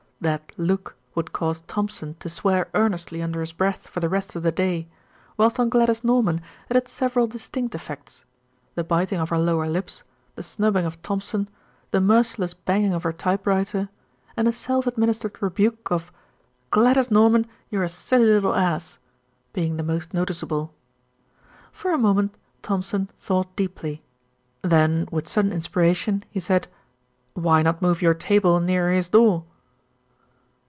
That "look" would cause Thompson to swear earnestly under his breath for the rest of the day, whilst on Gladys Norman it had several distinct effects, the biting of her lower lips, the snubbing of Thompson, the merciless banging of her typewriter, and a self administered rebuke of "Gladys Norman, you're a silly little ass," being the most noticeable. For a moment Thompson thought deeply, then with sudden inspiration he said, "Why not move your table nearer his door?"